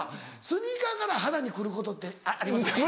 スニーカーから肌に来ることってありますかね？